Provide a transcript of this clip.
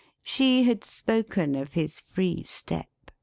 She had spoken of his free step.